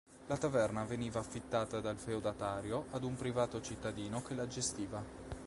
La taverna veniva affittata dal feudatario ad un privato cittadino che la gestiva.